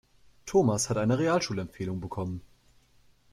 Thomas hat eine Realschulempfehlung bekommen.